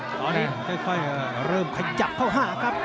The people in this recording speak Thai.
ค่อยเริ่มขยับเข้าห้าครับ